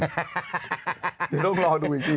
เดี๋ยวต้องรอดูอีกที